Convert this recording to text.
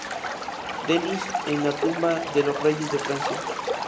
Denis, en la tumba de los Reyes de Francia.